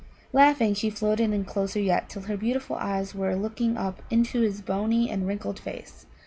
Laughing, she floated in closer yet, till her beautiful eyes were looking up into his bony and wrinkled face.